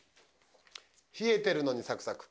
「冷えてるのにサクサク」